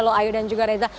kak yudan juga reza